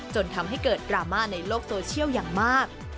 จนทำให้เกิดดราม่าในโลกโซเชียลอย่างมาก